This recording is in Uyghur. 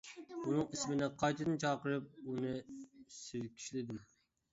ئۇنىڭ ئىسمىنى قايتىدىن چاقىرىپ، ئۇنى سىلكىشلىدىم.